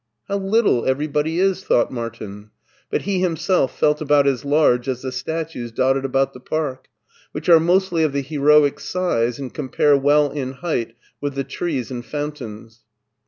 " How little everybody is !" thought Martin, but he himself felt about as large as the statues dotted about the park, which are mostly of the heroic size and compare well in height with the trees and fountains.